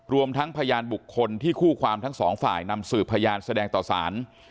รวมทั้งพยานบุคคลที่คู่ความทั้งสองฝ่ายนำสืบพยานแสดงต่อสาร